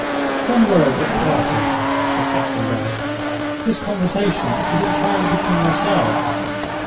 "One word at parting," said Captain Wragge. "This conversation is entirely between ourselves.